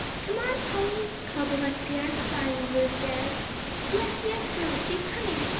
"Come on, Polly," called Alexia, flying over the stairs. "Yes, yes, girls, she's coming!